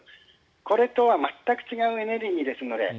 これとは全く違うエネルギーですので。